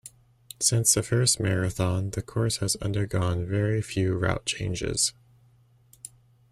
Since the first marathon, the course has undergone very few route changes.